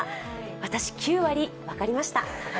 私、９割分かりました。